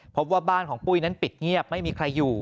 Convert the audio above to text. พบว่าบ้านของปุ้ยนั้นปิดเงียบไม่มีใครอยู่